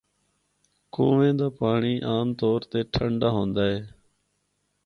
کنووے دا پانڑی عام طور ٹھنڈا ہوندا ہے۔